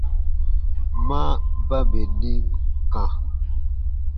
Ma ba bè nim kã.